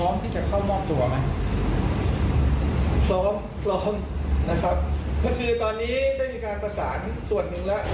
นะครับก็คือตอนนี้ได้มีการประสานส่วนหนึ่งแล้ว